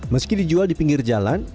meski dijual di pinggir jalan